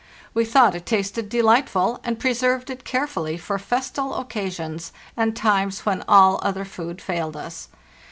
We thought it tasted delightful, and preserved it carefully for festal occasions and times when all other food failed us.